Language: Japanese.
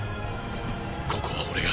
ここは俺が！！